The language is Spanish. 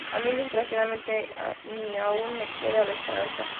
a mí, desgraciadamente, ni aun me queda la esperanza.